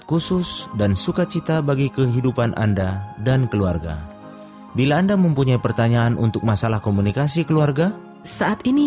kutelah janji setiap saat memuji tuhan